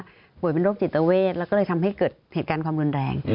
เรารุ่นผีเป่นโรคจิตเวศและทำให้เกิดเหตุการณ์ความรุนแรง